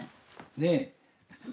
ねえ。